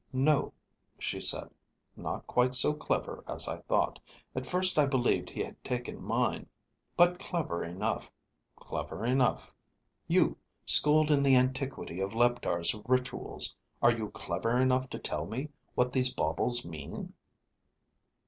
"No," she said. "Not quite so clever as I thought. At first I believed he had taken mine. But clever enough. Clever enough. You, schooled in the antiquity of Leptar's rituals, are you clever enough to tell me what these baubles mean?"